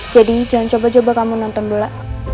jadi jangan coba coba kamu nonton bola